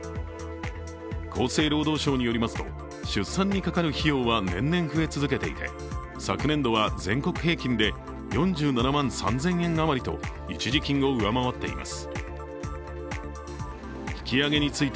厚生労働省によりますと、出産にかかる費用は年々増え続けていて、昨年度は全国平均で、４７万３０００円余りと一時金を上回っています。